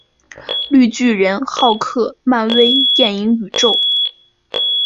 绿巨人浩克漫威电影宇宙